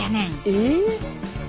えっ？